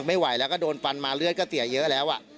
ไม่ไหวแล้วก็โดนฟันมาเลือดก็เสียเยอะแล้ว